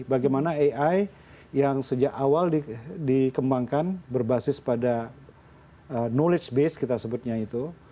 bagaimana ai yang sejak awal dikembangkan berbasis pada knowledge base kita sebutnya itu